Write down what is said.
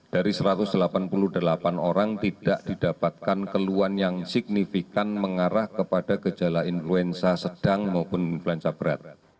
dari satu ratus delapan puluh delapan orang tidak didapatkan keluhan yang signifikan mengarah kepada gejala influenza sedang maupun influenza berat